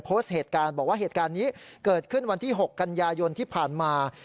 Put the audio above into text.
โพสต์เหตุการณ์บอกว่าเหตุการณ์นี้เกิดขึ้นวันที่๖กันยายนที่ผ่านมา